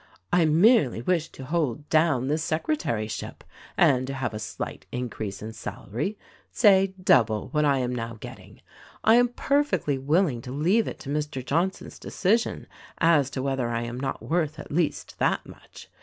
"I merely wish to hold down this secretaryship and to have a slight increase in salary — say double what I am now getting. I am perfectly willing to leave it to Mr. Johnson's decision as to whether I am not worth at least that much.